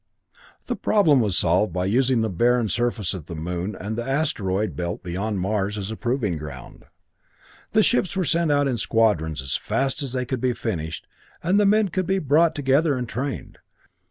The problem was solved by using the barren surface of the moon and the asteroid belt beyond Mars as a proving ground. The ships were sent out in squadrons as fast as they could be finished and the men could be brought together and trained.